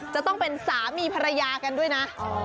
จะต้องเป็นสามีภรรยากันด้วยนะ